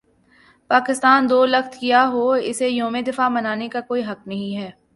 پاکستان دو لخت کیا ہو اسے یوم دفاع منانے کا کوئی حق نہیں ہے